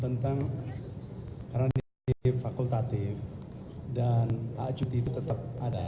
tentang karena ini fakultatif dan cuti itu tetap ada